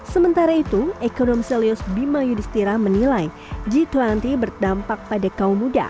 sementara itu ekonom selios bima yudhistira menilai g dua puluh berdampak pada kaum muda